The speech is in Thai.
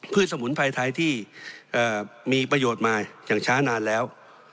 สมุนไพรไทยที่มีประโยชน์มาอย่างช้านานแล้ว